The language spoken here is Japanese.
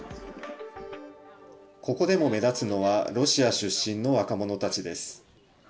ここでも目立つのはロシア出身の若者たちです。